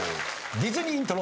ディズニーイントロ。